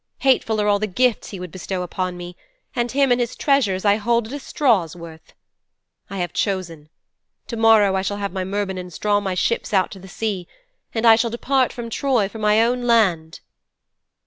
Hateful are all the gifts he would bestow upon me, and him and his treasures I hold at a straw's worth. I have chosen. To morrow I shall have my Myrmidons draw my ships out to the sea, and I shall depart from Troy for my own land."'